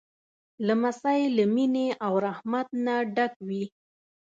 لمسی له مینې او رحمت نه ډک وي.